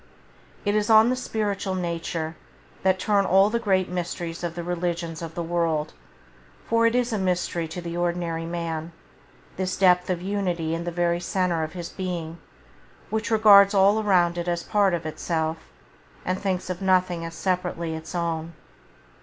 It is on the spiritual nature that turn all the great mysteries of the religions of the world, for it is a mystery to the ordinary man, this depth of unity in the very center of his being, which regards all around it as part of itself, and thinks of nothing as separately its own.